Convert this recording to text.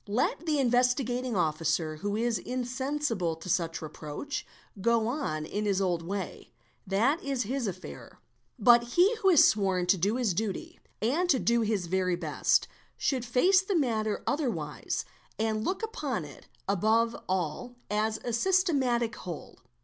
Let the Investigating Officer who is insensible to such reproach, go on in his old way; that is his affair: but he who has sworn to do his duty and to do his very best, should face the matter otherwise =2gRes SNR 8 ager a | ic ee and look upon it, above all, as a systematic whole.